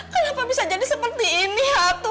kenapa bisa jadi seperti ini hatu